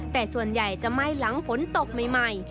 แต่ส่วนใหญ่จะไหม้หลังฝนตกใหม่